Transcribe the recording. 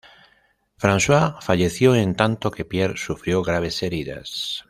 Francois falleció, en tanto que Pierre sufrió graves heridas.